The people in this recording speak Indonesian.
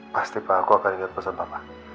pasti pak aku akan ingat pesan papa